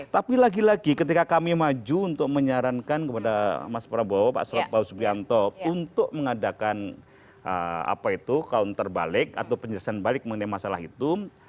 tapi lagi lagi ketika kami maju untuk menyarankan kepada mas prabowo paku subianto untuk mengadakan counter balik atau penjelasan balik mengenai masalah itu